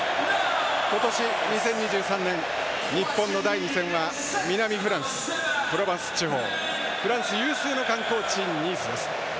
今年２０２３年、日本の第２戦は南フランス・プロバンス地方フランス有数の観光地ニースです。